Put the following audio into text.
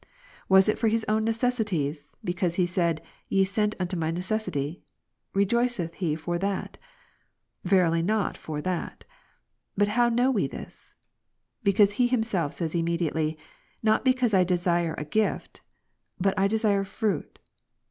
41. Was it for his own necessities, because he said, Ye sent unto my necessity ? Rejoiceth he for that ? Verily not for that. But how know we this ? Because himself says imme diately, not because I desire a gift, but I desire fruit.